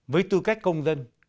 với tư cách công dân